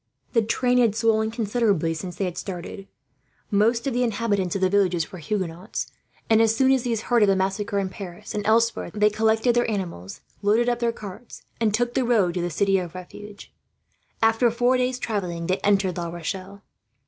The train had swollen considerably since they had started. Most of the inhabitants of the villages were Huguenots and, as soon as these heard of the massacres in Paris and elsewhere, they collected their animals, loaded up their carts, and took the road to the city of refuge. After four days' travelling, they entered La Rochelle.